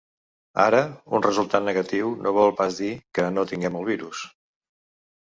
Ara, un resultat negatiu no vol pas dir que no tinguem el virus.